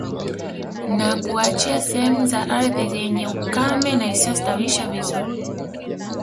Na kuwaachia sehemu za ardhi yenye ukame na isiyostawisha vizuri